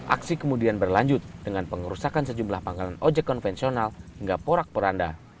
aksi kemudian berlanjut dengan pengerusakan sejumlah pangkalan ojek konvensional hingga porak poranda